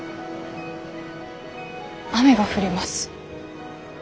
雨が降ります。